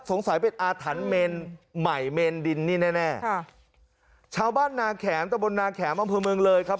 สงสัยเป็นอาถรรพ์เมนใหม่เมนดินนี่แน่แน่ค่ะชาวบ้านนาแขมตะบนนาแขมอำเภอเมืองเลยครับ